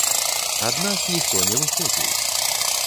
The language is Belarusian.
Ад нас ніхто не выходзіў.